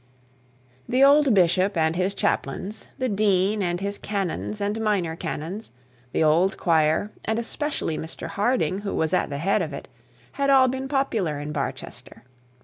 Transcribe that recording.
The old bishop and his chaplain, the dean and his canons and minor canons, the old choir, and especially Mr Harding who was at the head of it, had all been popular in Barchester.